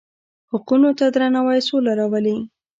حقونو ته درناوی سوله راولي.